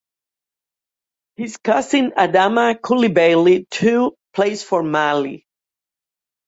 His cousin, Adama Coulibaly too, plays for Mali.